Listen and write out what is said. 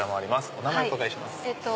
お名前お伺いします。